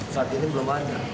saat ini belum ada